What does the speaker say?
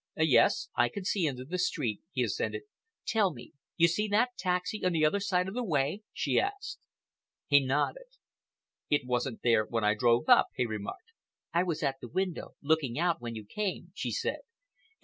"Yes, I can see into the street," he assented. "Tell me—you see that taxi on the other side of the way?" she asked. He nodded. "It wasn't there when I drove up," he remarked. "I was at the window, looking out, when you came," she said.